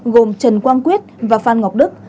gồm trần quang quyết và phan ngọc đức